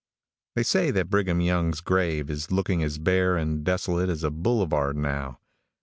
|THEY say that Brigham Young's grave is looking as bare and desolate as a boulevard now.